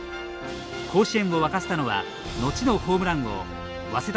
甲子園を沸かせたのは後のホームラン王早稲田